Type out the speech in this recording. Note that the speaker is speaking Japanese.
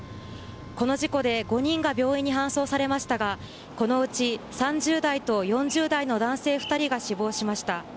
この事故で５人が病院に搬送されましたがこのうち３０代と４０代の男性２人が死亡しました。